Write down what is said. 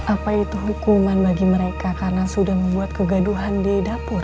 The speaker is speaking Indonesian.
apa itu hukuman bagi mereka karena sudah membuat kegaduhan di dapur